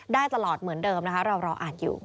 ได้ตลอดเหมือนเดิมนะคะเรารออ่านอยู่